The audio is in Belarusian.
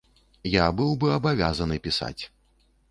Я быў бы абавязаны пісаць.